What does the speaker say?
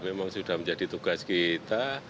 memang sudah menjadi tugas kita